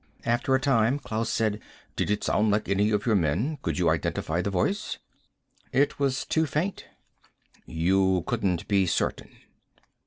After a time Klaus said, "Did it sound like any of your men? Could you identify the voice?" "It was too faint." "You couldn't be certain?"